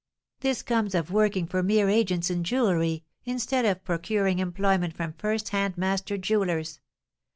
"This comes of working for mere agents in jewelry, instead of procuring employment from first hand master jewellers.